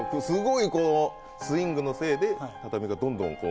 すごいスイングのせいで畳がどんどん。